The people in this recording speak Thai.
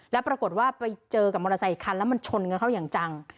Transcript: แล้วปรากฏว่าไปเจอกับมอเตอร์ไซค์อีกคันแล้วมันชนกันเข้าอย่างจัง